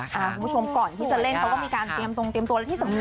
คุณผู้ชมก่อนที่จะเล่นเขาก็มีการเตรียมตรงเตรียมตัว